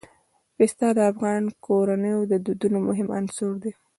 پسه د افغان کورنیو د دودونو مهم عنصر دی.